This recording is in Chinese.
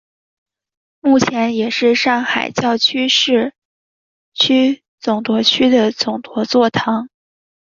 目前也是上海教区市区总铎区的总铎座堂。